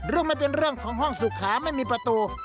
ไม่เป็นเรื่องของห้องสุขาไม่มีประตู